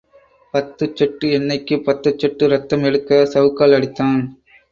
பத்து சொட்டு எண்ணெய்க்கு பத்து சொட்டு இரத்தம் எடுக்க சவுக்கால் அடித்தான்.